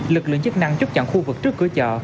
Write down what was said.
lực lượng chức năng chấp nhận khu vực trước cửa chợ